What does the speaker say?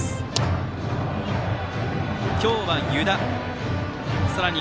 今日は湯田さらに